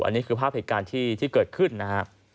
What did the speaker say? อันนี้คือภาพเหตุการณ์ที่เกิดขึ้นนะครับ